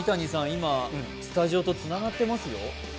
今スタジオとつながってますよ。